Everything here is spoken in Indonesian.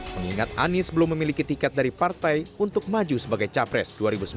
mengingat anies belum memiliki tiket dari partai untuk maju sebagai capres dua ribu sembilan belas